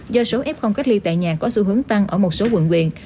do số f cách ly tại nhà có sự hướng tăng ở một số quận quyền